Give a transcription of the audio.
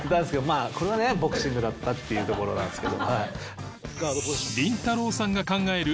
まあこれはねボクシングだったっていうところなんですけど。